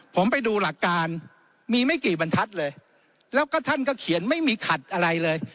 ผมไปดูหลักการมีไม่กี่บรรทัศน์เลยแล้วก็ท่านก็เขียนไม่มีขัดอะไรเลย